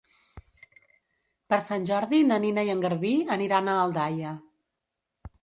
Per Sant Jordi na Nina i en Garbí aniran a Aldaia.